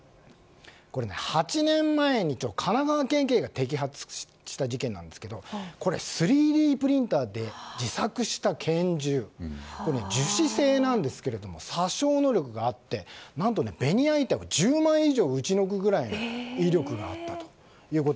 ８年前に神奈川県警が摘発した事件なんですが３Ｄプリンターで自作した拳銃樹脂製ですが殺傷能力があってベニヤ板を１０枚以上撃ち抜くくらいの威力があったと。